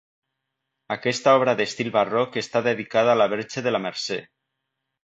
Aquesta obra d'estil barroc està dedicada a la verge de la Mercè.